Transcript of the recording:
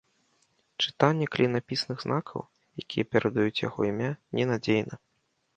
Чытанне клінапісных знакаў, якія перадаюць яго імя, ненадзейна.